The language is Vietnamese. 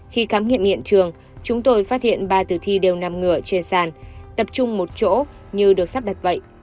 khi khám nghiệm hiện trường chúng tôi phát hiện ba tử thi đều nằm ngửa trên sàn tập trung một chỗ như được sắp đặt vậy